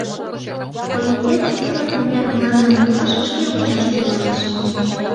Комитет кӧлан мыняр мландым пуаш — шке ончаш тӱҥалеш.